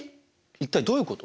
一体どういうこと？